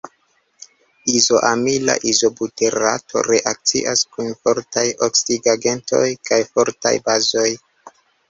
Izoamila izobuterato reakcias kun fortaj oksidigagentoj kaj fortaj bazoj.